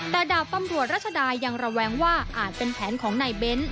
แต่ดาบตำรวจรัชดายังระแวงว่าอาจเป็นแผนของนายเบ้น